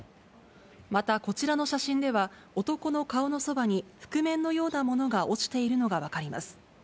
またこちらの写真では、男の顔のそばに覆面のようなものが落ちているのが分かります。